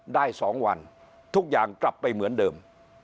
ได้๒วันทุกอย่างกลับไปเหมือนเดิม